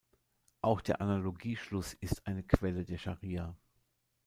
Auch der Analogieschluss ist eine Quelle der Scharia.